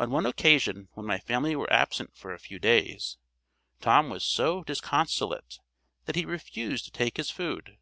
On one occasion when my family were absent for a few days, Tom was so disconsolate that he refused to take his food.